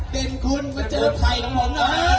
เป็นคุณมันเจอไผ่ทุกคน